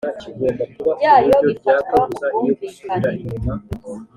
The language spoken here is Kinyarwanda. byayo bifatwa ku bwumvikane